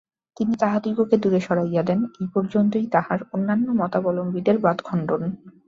তিনি তাহাদিগকে দূরে সরাইয়া দেন, এই পর্যন্তই তাঁহার অন্যান্য মতাবলম্বীদের বাদখণ্ডন।